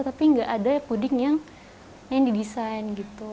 tapi nggak ada puding yang didesain gitu